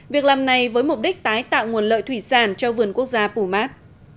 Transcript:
việc làm này với mục đích tái tạo nguồn lợi thủy sản cho vườn quốc gia pumat